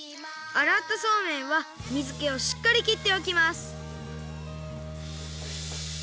あらったそうめんはみずけをしっかりきっておきます。